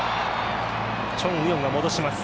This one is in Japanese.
チョン・ウヨンが戻します。